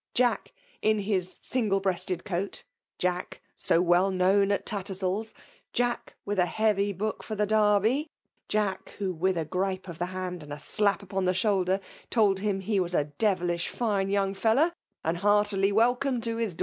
Jack, in his single breasted coat,*— Jack, so well known at TattersaU's, — Jack, with a heavy book for the Derby, — Jade, who, with a grii>e of the hand and a slap upon ibe shoulder, told him he was a devilish fine young fellow« and heartily welcome to his.